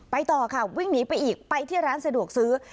ต่อค่ะวิ่งหนีไปอีกไปที่ร้านสะดวกซื้อ